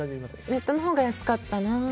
ネットのほうが安かったな。